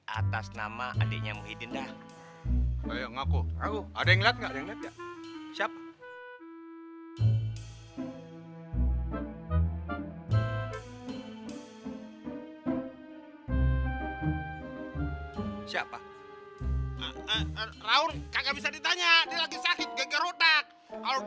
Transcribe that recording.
atas nama adiknya muhyiddin dah saya ngaku aku ada yang lihat enggak ada yang lihat